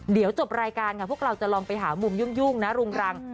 เดี๋ยวจบรายการค่ะพวกเราจะลองไปหามุมยุ่งนะรุงรัง